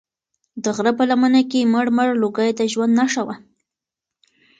د غره په لمنه کې مړ مړ لوګی د ژوند نښه وه.